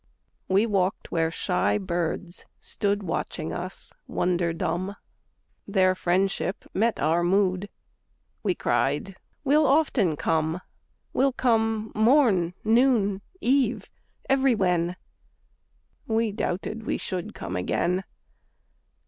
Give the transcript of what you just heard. We walked where shy birds stood Watching us, wonder dumb; Their friendship met our mood; We cried: "We'll often come: We'll come morn, noon, eve, everywhen!" —We doubted we should come again.